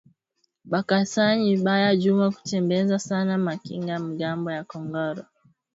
Ba kasayi bana juwa kutembeza sana ma kinga ngambo ya kongolo